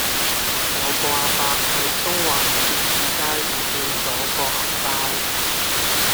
有個亞伯喺中環結志街唔見左個銀包